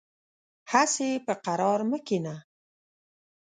هسې په قرار مه کېنه .